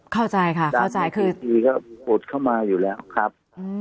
เข้าใจค่ะเข้าใจคือดีก็ผุดเข้ามาอยู่แล้วครับ